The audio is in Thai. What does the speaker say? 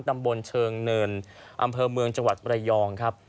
ตำบลเชิงเนินอำเภอเมืองจังหวัดระยองครับ